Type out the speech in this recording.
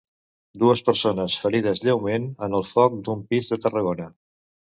Dues persones ferides lleument en el foc d'un pis de Tarragona.